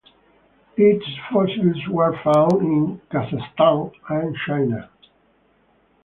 Its fossils were found in Kazakhstan and China.